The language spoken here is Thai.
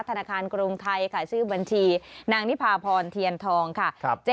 ธนาคารกรุงไทยค่ะชื่อบัญชีนางนิพาพรเทียนทองค่ะ